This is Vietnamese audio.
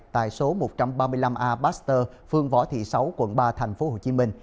tại số một trăm ba mươi năm a baxter phương võ thị sáu quận ba tp hcm